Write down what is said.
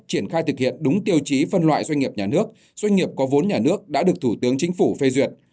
triển khai thực hiện đúng tiêu chí phân loại doanh nghiệp nhà nước doanh nghiệp có vốn nhà nước đã được thủ tướng chính phủ phê duyệt